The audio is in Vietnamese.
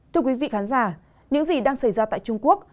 thưa quý vị khán giả những gì đang xảy ra tại trung quốc